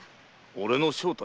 俺の正体？